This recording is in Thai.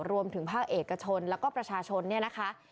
รวมถึงภาคเอกชนแล้วก็ประชาชนเนี่ยนะคะ